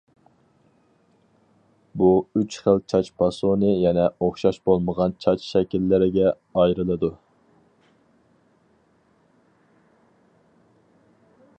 بۇ ئۈچ خىل چاچ پاسونى يەنە ئوخشاش بولمىغان چاچ شەكىللىرىگە ئايرىلىدۇ.